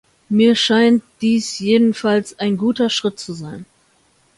Mir scheint dies jedenfalls ein guter Schritt zu sein.